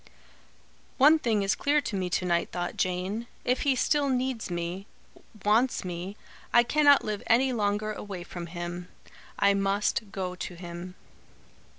"One thing is clear to me to night," thought Jane. "If he still needs me wants me I cannot live any longer away from him. I must go to him."